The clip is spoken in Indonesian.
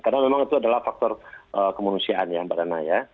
karena memang itu adalah faktor kemunusiaan ya mbak dana ya